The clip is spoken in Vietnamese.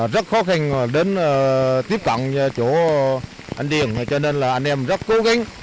rất khó khăn đến tiếp cận chỗ anh điền cho nên là anh em rất cố gắng